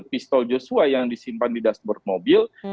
pistol joshua yang disimpan di dashboard mobil